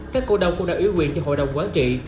các cổ đông cũng đã ưu quyền cho hội đồng quán trị